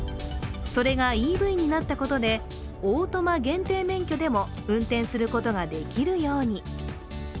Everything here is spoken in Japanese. それがＥＶになったことでオートマ限定免許でも運転することができるように。